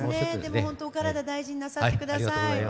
本当、お体大事になさってください。